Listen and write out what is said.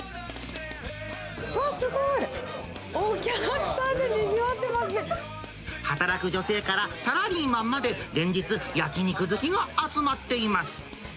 うわっ、すごい！お客さんで働く女性からサラリーマンまで、連日、焼き肉好きが集まってます。